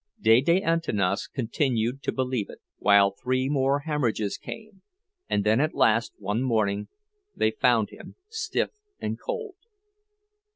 Dede Antanas continued to believe it, while three more hemorrhages came; and then at last one morning they found him stiff and cold.